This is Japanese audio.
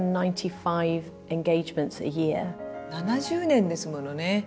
７０年ですものね。